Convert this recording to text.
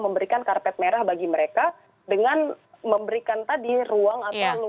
bentukan karpet merah bagi mereka dengan memberikan tadi ruang atau think tota kalau